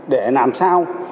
để làm sao